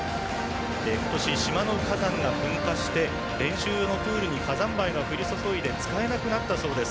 今年、島の火山が噴火して練習用のプールに火山灰が降り注いで使えなくなったそうです。